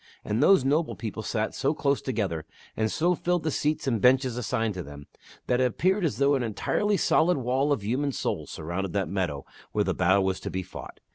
And those noble people sat so close together, and so filled the seats and benches assigned to them, that it appeared as though an entirely solid wall of human souls surrounded that meadow where the battle was to be fought.